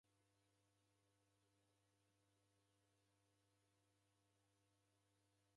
Ini sikoghe aha nacha idime